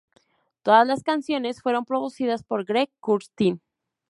Todas las canciones fueron producidas por Greg Kurstin.